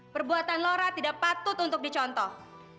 perbuatan lora tidak patut untuk dicontoh